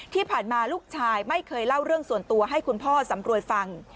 ที่ผ่านมาลูกชายไม่เคยเล่าเรื่องส่วนตัวให้คุณพ่อสำรวยฟัง